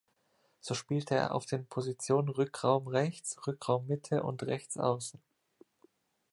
So spielte er auf den Positionen Rückraum rechts, Rückraum Mitte und Rechtsaußen.